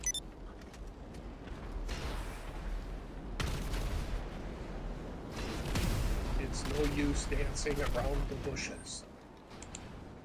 It's no use dancing around the bushes.